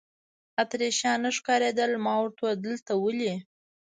اتریشیان نه ښکارېدل، ما ورته وویل: دلته ولې.